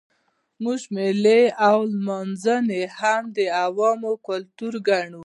موږ مېلې او لمانځنې هم د عوامو کلتور ګڼو.